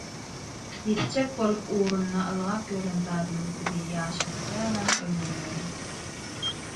Ýetjek bolup ugrunda ylgap ýören zadymyz bizi ýaşadýaram, öldürýärem.